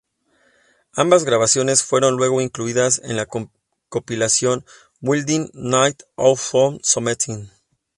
Ambas grabaciones fueron luego incluidas en la compilación Building Nothing Out of Something.